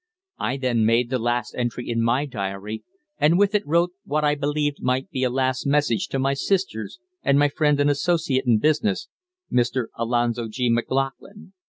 I then made the last entry in my diary, and with it wrote what I believed might be a last message to my sisters and my friend and associate in business, Mr. Alonzo G. McLaughlin.